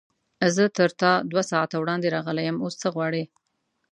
زه تر تا دوه ساعته وړاندې راغلی یم، اوس څه غواړې؟